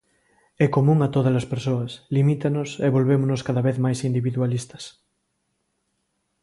É común a todas as persoas, limítanos e vólvemonos cada vez máis individualistas.